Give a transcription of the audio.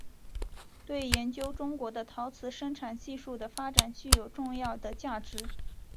对研究中国的陶瓷生产技术的发展具有重要的价值。